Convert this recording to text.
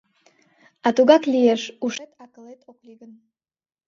А тугак лиеш, ушет-акылет ок лий гын!